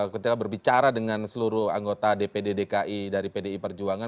ketika berbicara dengan seluruh anggota dpd dki dari pdi perjuangan